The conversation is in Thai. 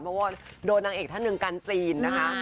เพราะว่าโดนนางเอกท่านหนึ่งกันซีนนะคะ